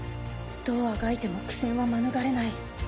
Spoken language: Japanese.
どうあがいても苦戦は免れない。